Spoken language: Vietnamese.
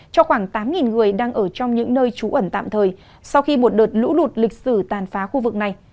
cho khoảng tám người đang ở trong những nơi trú ẩn tạm thời sau khi một đợt lũ lụt lịch sử tàn phá khu vực này